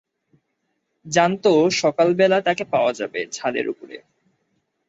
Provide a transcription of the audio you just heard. জানত সকালবেলা তাকে পাওয়া যাবে ছাদের উপরে।